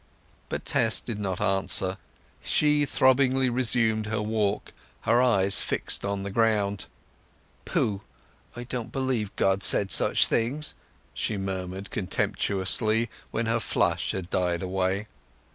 But Tess did not answer; she throbbingly resumed her walk, her eyes fixed on the ground. "Pooh—I don't believe God said such things!" she murmured contemptuously when her flush had died away.